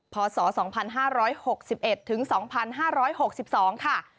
พศ๒๕๖๑๒๕๖๒ค่ะ